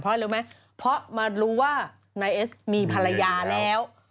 เพราะอะไรรู้ไหมเพราะมารู้ว่านายเอสมีภรรยาแล้ว